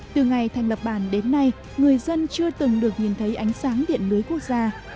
từ ngày thành lập bản đến nay người dân chưa từng được nhìn thấy ánh sáng điện lưới quốc gia